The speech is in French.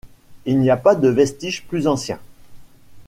Il n'y a pas de vestiges plus anciens.